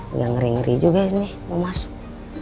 agak ngeri ngeri juga nih mau masuk